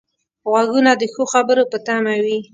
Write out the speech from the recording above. غوږونه د ښو خبرو په تمه وي